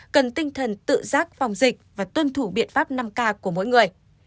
cần tinh thần tự giác phòng dịch và tuân thủ biện pháp năm k của mỗi người